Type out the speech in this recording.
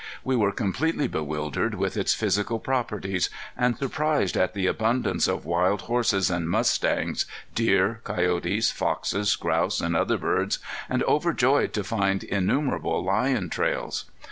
We were completely bewildered with its physical properties, and surprised at the abundance of wild horses and mustangs, deer, coyotes, foxes, grouse and other birds, and overjoyed to find innumerable lion trails.